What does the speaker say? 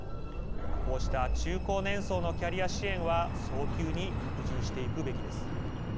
こうした中高年層のキャリア支援は早急に拡充していくべきです。